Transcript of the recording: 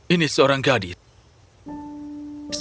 ini seorang gadis